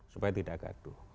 supaya tidak gaduh